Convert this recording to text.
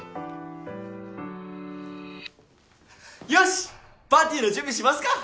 よしパーティーの準備しますか！